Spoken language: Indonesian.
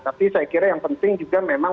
tapi saya kira yang penting juga memang